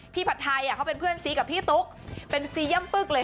ผัดไทยเขาเป็นเพื่อนซีกับพี่ตุ๊กเป็นซีย่ำปึ๊กเลย